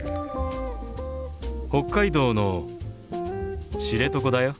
北海道の知床だよ。